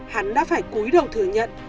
hắn đã phải cúi đầu thừa nhận